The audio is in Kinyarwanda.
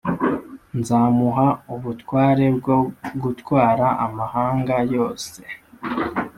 nzamuha ubutware bwo gutwara amahanga yose,